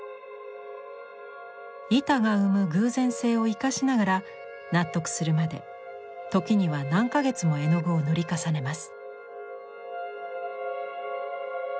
板が生む偶然性を生かしながら納得するまで時には何か月も絵の具を塗り重ねます。